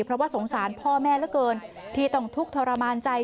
เพราะว่าสงสารพ่อแม่เหลือเกินที่ต้องทุกข์ทรมานใจ